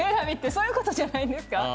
そういうことじゃないですか。